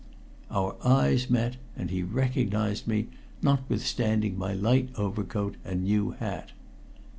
Our eyes met, and he recognized me, notwithstanding my light overcoat and new hat.